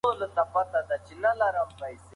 هغه وویل چې فشار باید کم وي.